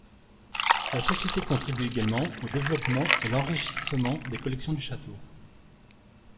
La société contribue également au développement et l'enrichissement des collections du château.